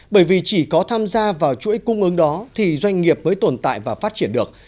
bởi vì chỉ có tham gia vào chuỗi cung ứng đó thì doanh nghiệp mới tồn tại và phát triển được